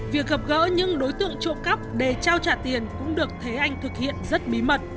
việc gặp gỡ những đối tượng trộm cắp để trao trả tiền cũng được thế anh thực hiện rất bí mật